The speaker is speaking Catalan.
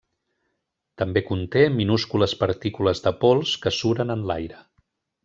També conté minúscules partícules de pols que suren en l'aire.